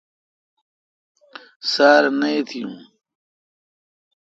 سار نہ اتییون۔